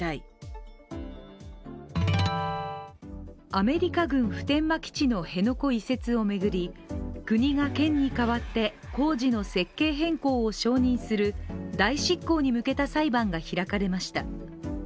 アメリカ軍普天間基地の辺野古移設を巡り国が県に代わって工事の設計変更を承認する代執行に向けた裁判が開かれました。